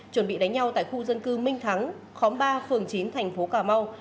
chuẩn bị đánh nhau tại khu dân cư minh thắng khóm ba phường chín tp cà mau